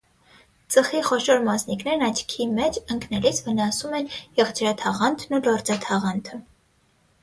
Ծխի խոշոր մասնիկներն աչքի մեջ ընկնելիս վնասում են եղջերաթաղանթն ու լորձաթաղանթը։